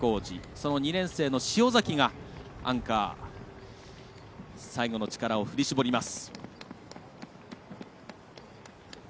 その２年生がアンカー最後の力を振り絞ります。